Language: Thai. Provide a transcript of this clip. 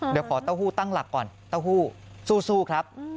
เดี๋ยวขอเต้าหู้ตั้งหลักก่อนเต้าหู้สู้ครับ